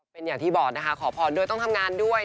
เป็นอย่างที่บอกนะคะขอพรด้วยต้องทำงานด้วย